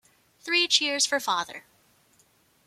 Three cheers for father!